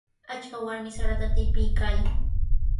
Achka warmi sarata tipiykaayan.